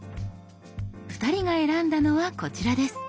２人が選んだのはこちらです。